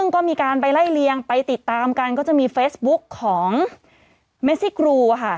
ก็จะมีเฟซบุ๊กของเมซี่กรูอ่ะค่ะ